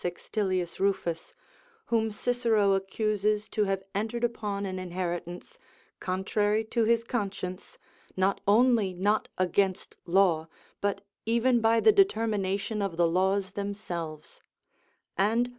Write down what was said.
Sextilius Rufus, whom Cicero accuses to have entered upon an inheritance contrary to his conscience, not only not against law, but even by the determination of the laws themselves; and M.